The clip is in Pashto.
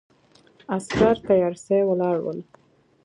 عسکر تیارسي ولاړ ول.